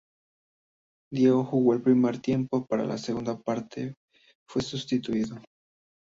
Diego jugó el primer tiempo y para la segunda parte fue sustituido.